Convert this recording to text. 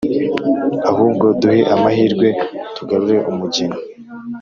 ahubwo duhe amahirwe tugarure umugeni"